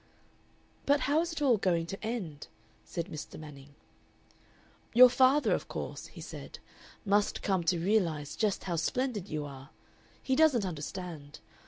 "But how is it all going to end?" said Mr. Manning. "Your father, of course," he said, "must come to realize just how Splendid you are! He doesn't understand.